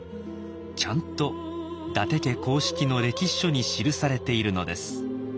ちゃんと伊達家公式の歴史書に記されているのです。